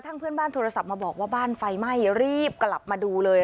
เพื่อนบ้านโทรศัพท์มาบอกว่าบ้านไฟไหม้รีบกลับมาดูเลย